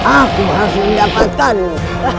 aku harus mendapatkanmu